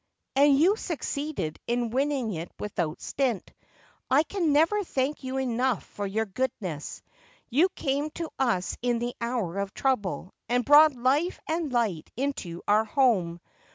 'And you succeeded in winning it without stint. I can never thank you enough for your goodness. You came to us in the hour of trouble, and brought life and light into our home.